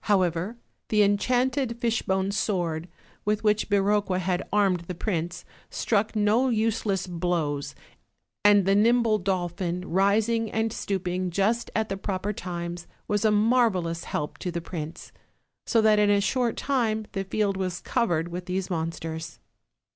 However, the enchanted fishbone sword, with which Biroqua had armed the prince, struck no useless blows; and the nimble dolphin, rising and stooping just at the proper times, was a marvelous help to the prince; so that in a short time the field was covered with these monsters.